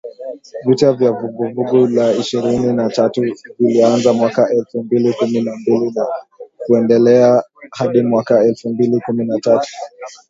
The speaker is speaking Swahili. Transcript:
Vita vya Vuguvugu la Ishirini na tatu vilianza mwaka elfu mbili kumi na mbili na kuendelea hadi mwaka elfu mbili kumi na tatu